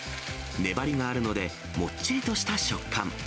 粘りがあるので、もっちりとした食感。